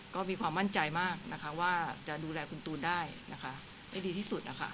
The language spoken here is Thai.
ก็มีความมั่นใจมากว่าจะดูแลคุณตูนได้ได้ดีที่สุด